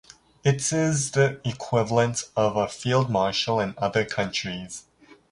It is the equivalent of a Field Marshal in other countries.